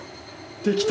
できた。